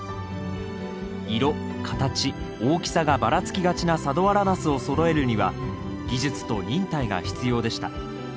色形大きさがバラつきがちな佐土原ナスをそろえるには技術と忍耐が必要でした。